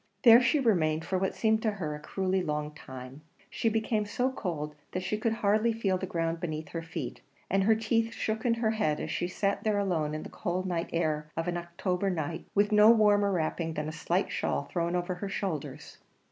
There she remained for what seemed to her a cruelly long time; she became so cold that she could hardly feel the ground beneath her feet; and her teeth shook in her head as she sat there alone in the cold night air of an October night, with no warmer wrapping than a slight shawl thrown over her shoulders.